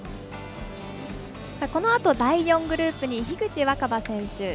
このあと第４グループに樋口新葉選手。